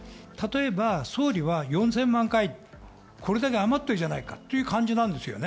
総理は４０００万回、これだけ余ってるじゃないかという感じなんですよね。